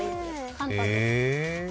簡単です。